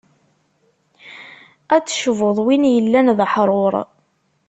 Ad d-tecbuḍ win yellan d aḥrur.